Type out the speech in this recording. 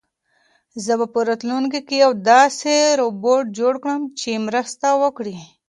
زه به په راتلونکي کې یو داسې روبوټ جوړ کړم چې مرسته وکړي.